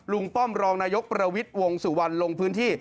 ลุงป้อมรองนายกประวิติวงสุวรรณรวมพื้นที่